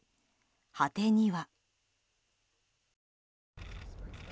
果てには。